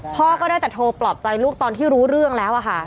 พ่อก็ได้แต่โทรปลอบใจลูกตอนที่รู้เรื่องแล้วค่ะ